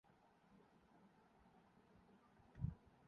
جو اچھل کود کے آج کل کے گانے ہیں۔